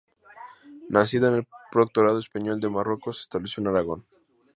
Nacido en el Protectorado español de Marruecos, se estableció en Aragón.